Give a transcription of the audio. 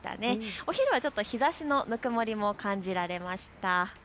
お昼は日ざしのぬくもりも感じられました。